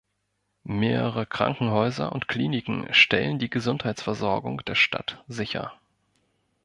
Mehrere Krankenhäuser und Kliniken stellen die Gesundheitsversorgung der Stadt sicher.